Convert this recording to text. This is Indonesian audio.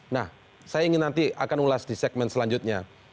nah saya ingin nanti akan ulas di segmen selanjutnya